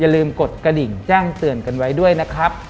ลืมกดกระดิ่งแจ้งเตือนกันไว้ด้วยนะครับ